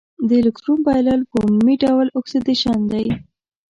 د الکترون بایلل په عمومي ډول اکسیدیشن دی.